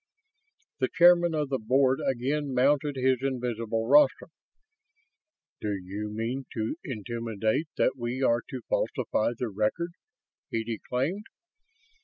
The Chairman of the Board again mounted his invisible rostrum. "Do you mean to intimate that we are to falsify the record?" he declaimed.